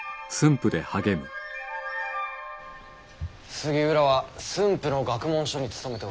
杉浦は駿府の学問所に勤めておるのか。